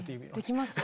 できます。